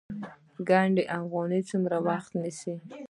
ګنډ افغاني څومره وخت نیسي؟